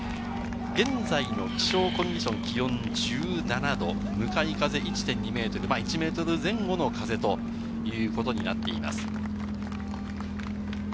現在の気象コンディション、気温１７度、向かい風１．２メートル、１メートル前後の風ということになっています。